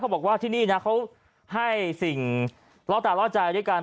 บอกว่าที่นี่นะเขาให้สิ่งล่อตาล่อใจด้วยกัน